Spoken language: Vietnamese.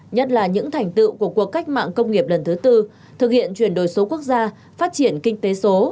nhất là những thành tựu của cuộc cách mạng công nghiệp lần thứ tư thực hiện chuyển đổi số quốc gia phát triển kinh tế số